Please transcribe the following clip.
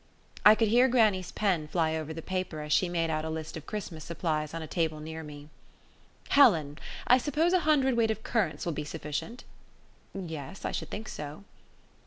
I could hear grannie's pen fly over the paper as she made out a list of Christmas supplies on a table near me. "Helen, I suppose a hundredweight of currants will be sufficient?" "Yes; I should think so."